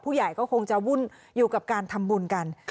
ผู้ใหญ่ก็คงจะวุ่นอยู่กับการทำบุญกัน